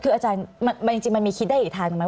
คืออาจารย์จริงมันมีคิดได้อีกทางไหม